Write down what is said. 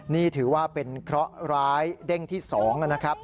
นี่ถือว่าเป็นเคราะห์ร้ายเด้งที่๒นะครับ